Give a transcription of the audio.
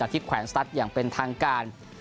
ที่แขวนสตัสอย่างเป็นทางการ